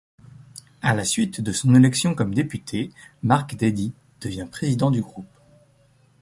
À la suite de son élection comme députée, Marc Daydie devient président du groupe.